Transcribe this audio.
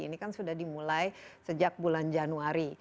ini kan sudah dimulai sejak bulan januari